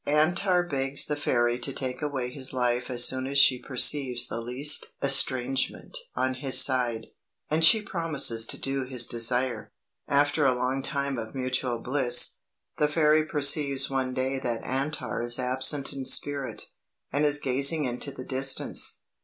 Antar begs the fairy to take away his life as soon as she perceives the least estrangement on his side, and she promises to do his desire. "After a long time of mutual bliss, the fairy perceives one day that Antar is absent in spirit, and is gazing into the distance.